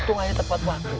untung aja tepat waktu